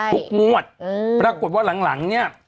ทุกงวดปรากฏว่าหลังเนี่ย